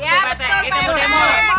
iya betul pak rt